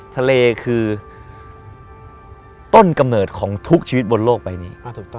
ทะเลคือต้นกำเนิดของทุกชีวิตบนโลกใบนี้